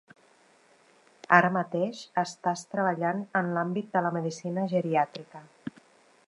Ara mateix estàs treballant en l’àmbit de la medicina geriàtrica.